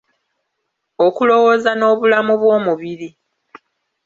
Okulowooza n'obulamu bw'omubiri.